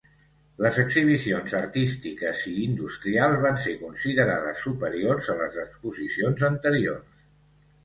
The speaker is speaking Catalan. Les exhibicions artístiques i industrials van ser considerades superiors a les d'exposicions anteriors.